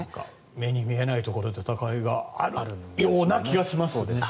目に見えないところが戦いがあるような気がしますね。